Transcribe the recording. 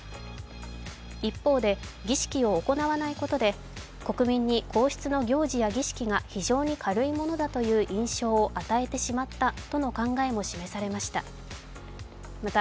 一方で、儀式を行わないことで国民に皇室の行事や儀式が非常に軽いものだという印象を与えてしまったとの考えも示されました。